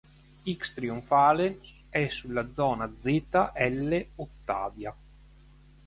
X Trionfale e sulla zona Z. L Ottavia.